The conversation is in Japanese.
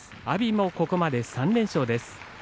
阿炎もここまで３連勝です。